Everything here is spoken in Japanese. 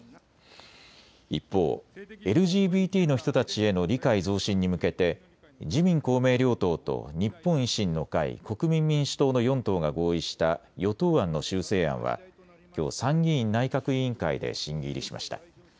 一方、ＬＧＢＴの人たちへの理解増進に向けて自民公明両党と日本維新の会、国民民主党の４党が合意した与党案の修正案はきょう参議院内閣委員会で審議入りしました。